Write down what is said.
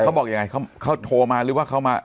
เขาบอกยังไงเขาโทรมาหรือว่าเขามา